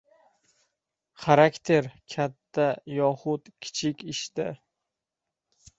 Xarakter katta yoxud kichik ishda